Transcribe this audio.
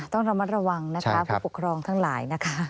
ต้องระมัดระวังนะคะผู้ปกครองทั้งหลายนะคะ